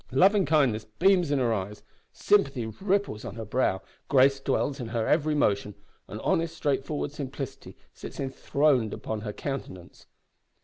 Loving kindness beams in her eyes, sympathy ripples on her brow, grace dwells in her every motion, and honest, straightforward simplicity sits enthroned upon her countenance!"